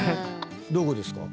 どこですか？